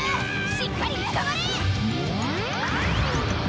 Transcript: しっかりつかまれ！